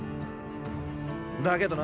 だけどな